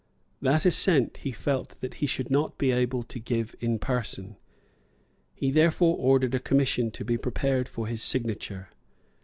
That assent he felt that he should not be able to give in person. He therefore ordered a commission to be prepared for his signature.